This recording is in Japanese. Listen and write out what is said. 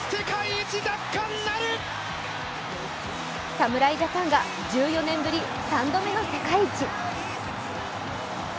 侍ジャパンが１４年ぶり３度目の世界一。